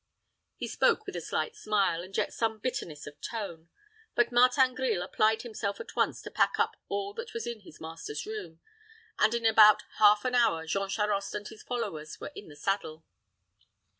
He spoke with a slight smile, and yet some bitterness of tone; but Martin Grille applied himself at once to pack up all that was in his master's room, and in about half an hour Jean Charost and his followers were in the saddle.